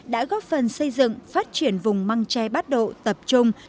đã góp phần xây dựng phát triển vùng măng che bắt độ tập trung